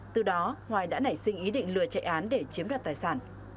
từ đó hoài đã nảy sinh ý định lừa chạy án để chiếm đoạt tài sản